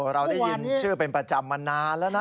เราได้ยินชื่อเป็นประจำมานานแล้วนะ